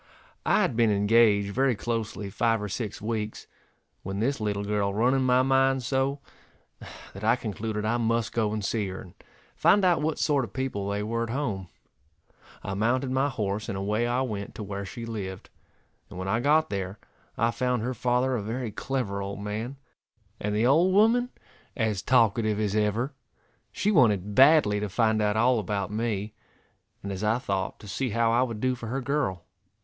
I had been engaged very closely five or six weeks, when this little girl run in my mind so, that I concluded I must go and see her, and find out what sort of people they were at home. I mounted my horse and away I went to where she lived, and when I got there I found her father a very clever old man, and the old woman as talkative as ever. She wanted badly to find out all about me, and as I thought to see how I would do for her girl.